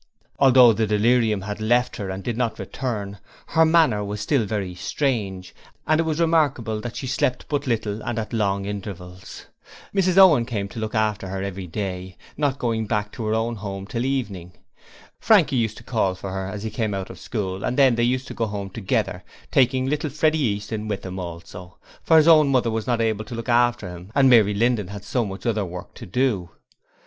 Although the delirium had left her and did not return, her manner was still very strange, and it was remarkable that she slept but little and at long intervals. Mrs Owen came to look after her every day, not going back to her own home till the evening. Frankie used to call for her as he came out of school and then they used to go home together, taking little Freddie Easton with them also, for his own mother was not able to look after him and Mary Linden had so much other work to do.